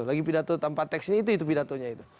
lagi pidato tanpa teks ini itu pidatonya itu